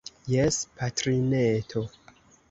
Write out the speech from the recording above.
Jes, patrineto.